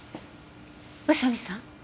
宇佐見さん？